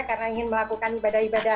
karena ingin melakukan ibadah ibadah lebih